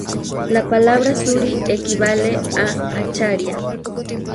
La palabra "Suri" equivale a acharia.